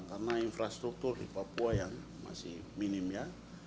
karena infrastruktur di papua yang masih minim ya